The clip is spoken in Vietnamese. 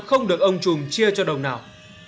không được ông chùm chia cho đồng nào